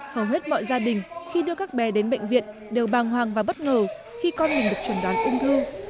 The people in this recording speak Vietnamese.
hầu hết mọi gia đình khi đưa các bé đến bệnh viện đều bàng hoàng và bất ngờ khi con mình được chuẩn đoán ung thư